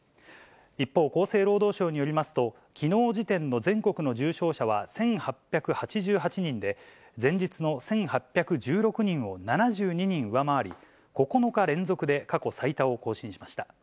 一方、厚生労働省によりますと、きのう時点の全国の重症者は１８８８人で、前日の１８１６人を７２人上回り、９日連続で過去最多を更新しました。